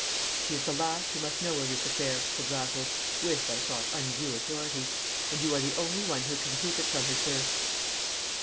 "She is the last who must know of this affair," said Raffles, with, I thought, undue authority. "And you are the only one who can keep it from her, sir."